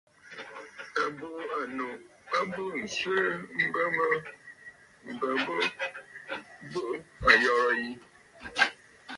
À bùʼû ànnnù a burə nswerə mbə mə bɨ̀ buʼu ayɔ̀rə̂ yi.